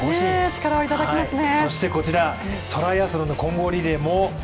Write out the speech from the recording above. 力をいただきますね。